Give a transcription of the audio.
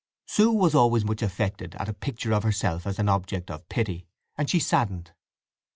Sue was always much affected at a picture of herself as an object of pity, and she saddened.